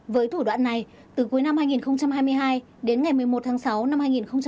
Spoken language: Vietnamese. với thủ đoạn này từ cuối năm hai nghìn hai mươi hai đến ngày một mươi một tháng sáu năm hai nghìn hai mươi ba